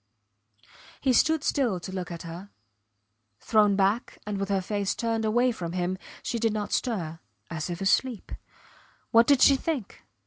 He stood still to look at her. Thrown back and with her face turned away from him, she did not stir as if asleep. What did she think?